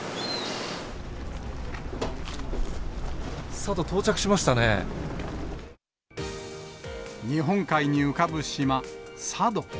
佐渡、日本海に浮かぶ島、佐渡。